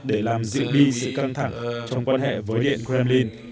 để làm dịu đi sự căng thẳng trong quan hệ với điện kremlin